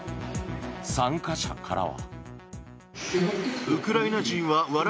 参加者からは。